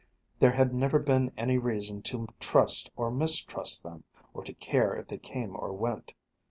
There had never been any reason to trust or mistrust them, or to care if they came or went.